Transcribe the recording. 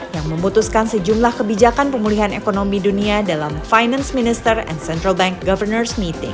yang memutuskan sejumlah kebijakan pemulihan ekonomi dunia dalam finance minister and central bank governors meeting